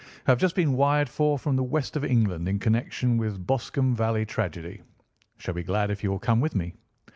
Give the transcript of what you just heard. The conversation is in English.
Have just been wired for from the west of England in connection with Boscombe Valley tragedy. Shall be glad if you will come with me.